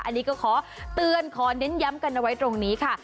อันนี้ก็ขอเตือนขอเน้นย้ำกันเอาไว้ตรงนี้ค่ะ